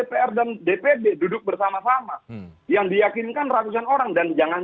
penundaan yang dimaksudkan dalam undang undang itu